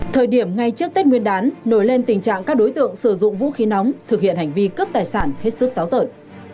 thời điểm ngay trước tết nguyên đán nổi lên tình trạng các đối tượng sử dụng vũ khí nóng thực hiện hành vi cướp tài sản hết sức táo tợn